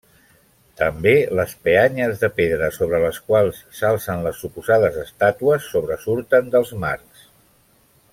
També les peanyes de pedra sobre les quals s'alcen les suposades estàtues sobresurten dels marcs.